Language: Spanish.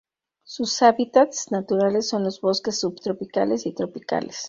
Sus hábitats naturales son los bosques subtropicales y tropicales.